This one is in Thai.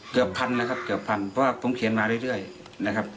เกือบพันนะครับเกือบพันเพราะว่าผมเขียนมาเรื่อยนะครับ